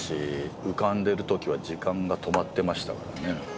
浮かんでるときは時間が止まってましたからね。